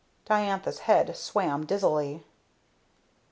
Diantha's head swam dizzily.